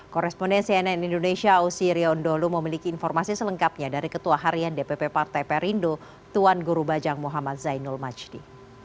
koresponden cnn indonesia osi riondolu memiliki informasi selengkapnya dari ketua harian dpp partai perindo tuan guru bajang muhammad zainul majdi